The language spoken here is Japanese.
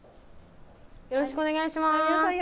よろしくお願いします。